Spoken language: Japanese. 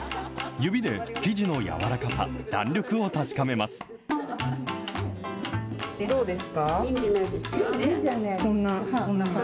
指で生地の柔らかさ、弾力を確かめます。